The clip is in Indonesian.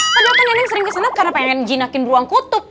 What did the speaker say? padahal kan nenek sering kesini karena pengen jinakin ruang kutub